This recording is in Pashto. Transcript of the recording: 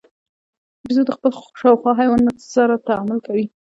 بیزو د خپلو شاوخوا حیواناتو سره تعامل کوي.